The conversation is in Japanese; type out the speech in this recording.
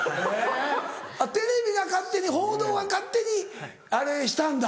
テレビが勝手に報道が勝手にあれしたんだ。